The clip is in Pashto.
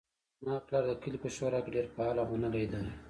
زما پلار د کلي په شورا کې ډیر فعال او منلی ده